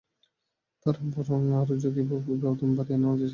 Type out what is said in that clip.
তাঁরা বরং আরও কীভাবে ব্যবধান বাড়িয়ে নেওয়া যায় সেই চেষ্টাই করতে লাগলেন।